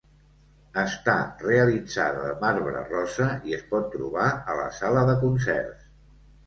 Està realitzada de marbre rosa i es pot trobar a la sala de concerts.